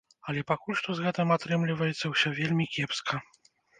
Але пакуль што з гэтым атрымліваецца ўсё вельмі кепска.